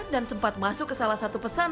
dan sempat masuk ke salah satu pesan